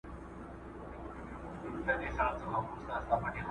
زه سبا ته فکر نه کوم!